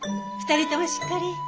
２人ともしっかり。